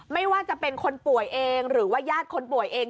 ไม่ว่าจะเป็นคนป่วยเองหรือว่าญาติคนป่วยเอง